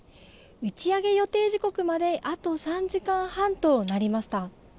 打ち上げ予定時刻まで、あと３時間半となりました。